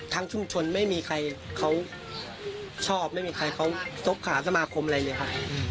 ชุมชนไม่มีใครเขาชอบไม่มีใครเขาซบขาสมาคมอะไรเลยค่ะ